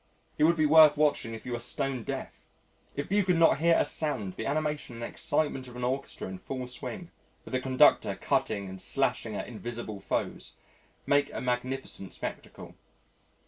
He would be worth watching if you were stone deaf. If you could not hear a sound, the animation and excitement of an orchestra in full swing, with the conductor cutting and slashing at invisible foes, make a magnificent spectacle.